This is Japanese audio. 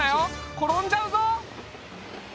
転んじゃうぞ。